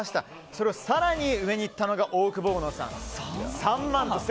その更に上にいったのがオオクボーノさん高いな！